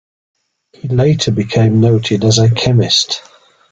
He later became noted as a chemist.